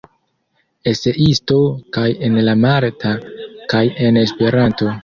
Eseisto kaj en la malta kaj en Esperanto.